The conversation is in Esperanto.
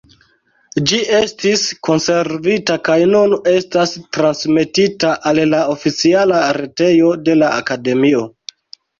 Ĝi estis konservita kaj nun estas transmetita al la oficiala retejo de la Akademio.